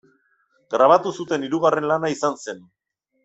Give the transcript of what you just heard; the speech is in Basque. Grabatu zuten hirugarren lana izan zen.